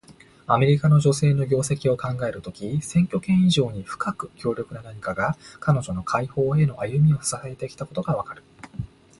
アメリカの女性の業績を考えるとき、選挙権以上に深く強力な何かが、彼女の解放への歩みを支えてきたことがわかる。